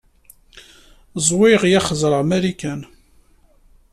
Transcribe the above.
Ẓwiɣ ya xezreɣ Marikan.